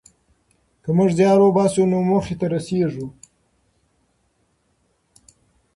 که موږ زیار وباسو نو موخې ته رسېږو.